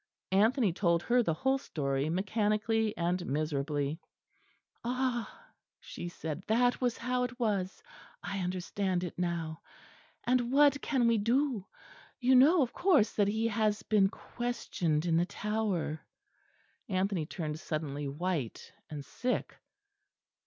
Anthony told her the whole story, mechanically and miserably. "Ah," she said, "that was how it was. I understand it now. And what can we do? You know, of course, that he has been questioned in the Tower." Anthony turned suddenly white and sick.